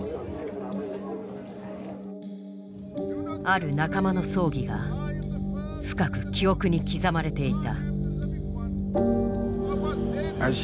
ある仲間の葬儀が深く記憶に刻まれていた。